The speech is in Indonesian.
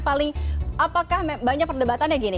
paling apakah banyak perdebatannya gini